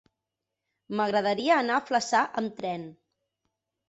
M'agradaria anar a Flaçà amb tren.